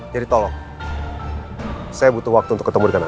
jadi tolong saya butuh waktu untuk ketemu dengan anda